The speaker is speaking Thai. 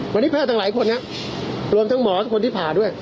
วันนี้แพทย์ทั้งหลายคนครับรวมทั้งหมอทุกคนที่ผ่าด้วย